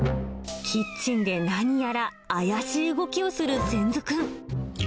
キッチンで何やら怪しい動きをする仙豆くん。